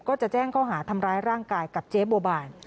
ก็จะแจ้งเขาหาทำร้ายร่างกายกับเจ๊บัวบาน